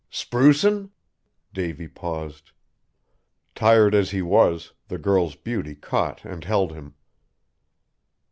"Sprucin'?" Davy paused. Tired as he was, the girl's beauty caught and held him.